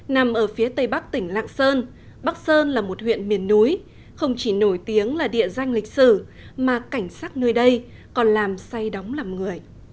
nằm ở phía tây bắc tỉnh lạng sơn bắc sơn là một huyện miền núi không chỉ nổi tiếng là địa danh lịch sử mà cảnh sát nơi đây còn làm say đóng làm người